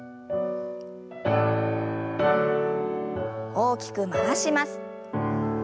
大きく回します。